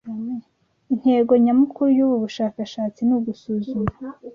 Intego nyamukuru yubu bushakashatsi ni ugusuzuma